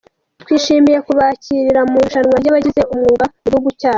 Twishimiye kubakira mu irushanwa ry’ababigize umwuga mu gihugu cyacu.